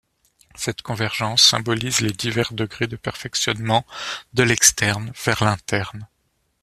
Cette convergence symbolise les divers degrés de perfectionnement de l'externe vers l'interne.